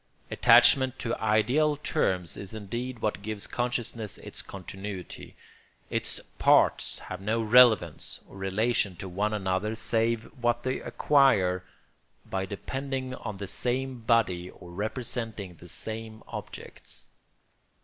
Attachment to ideal terms is indeed what gives consciousness its continuity; its parts have no relevance or relation to one another save what they acquire by depending on the same body or representing the same objects.